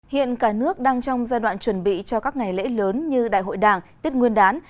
hiện cả nước đang trong giai đoạn chuẩn bị cho các ngày lễ lớn như đại hội đảng tiết nguyên đán